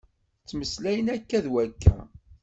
Ttmeslayen akka d wakka.